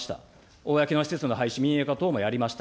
公の施設の廃止、民営化等もやりました。